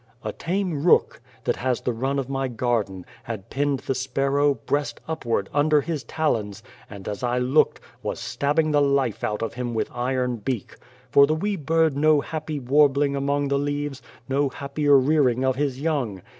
"A tame rook, that has the run of my garden, had pinned the sparrow, breast upward, under his talons, and, as I looked, was stabbing the life out of him with iron beak. For the wee bird no happy warbling among the leaves ; no happier rearing of his young.